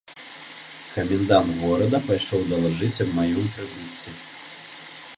Камендант горада пайшоў далажыць аб маім прыбыцці.